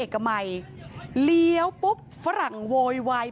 กลับมารับทราบ